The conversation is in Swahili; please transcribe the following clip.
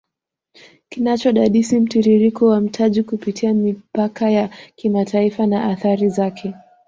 Kinachodadisi mtiririko wa mtaji kupitia mipaka ya kimataifa na athari zaKe